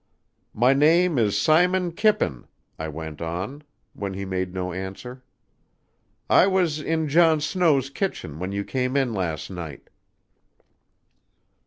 "My name is Simon Kippen," I went on, when he made no answer. "I was in John Snow's kitchen when you came in last night."